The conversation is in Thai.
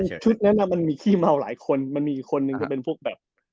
จริงชุดนั้นน่ะมันมีขี้เมาหลายคนมันมีกี่คนนึงเป็นพวกแบบ